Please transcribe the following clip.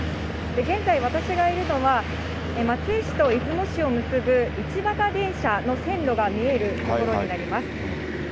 現在、私がいるのは、松江市と出雲市を結ぶ一畑電車の線路が見える所になります。